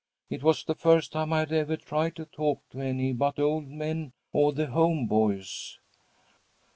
It was the first time I had ever tried to talk to any but old men or the home boys.